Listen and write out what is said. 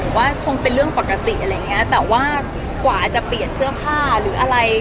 ว่าคงเป็นเรื่องปกติอะไรอย่างเงี้ยแต่ว่ากว่าจะเปลี่ยนเสื้อผ้าหรืออะไร